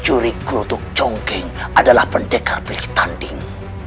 juri kulutuk congkeng adalah pendekar pilih tanding